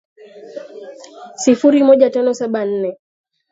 sifuri moja tano saba nne